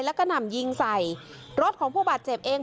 แล้วก็นำยิงใส่รถของผู้บาดเจ็บเอง